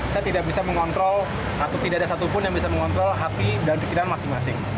saya tidak bisa mengontrol atau tidak ada satupun yang bisa mengontrol hati dan pikiran masing masing